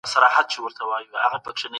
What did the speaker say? خصوصي سکتور به هیواد ته پرمختګ راوړي.